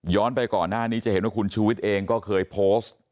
ไปก่อนหน้านี้จะเห็นว่าคุณชูวิทย์เองก็เคยโพสต์